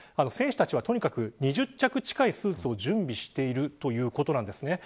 選手たちはとにかく２０着近いスーツを準備しているということです。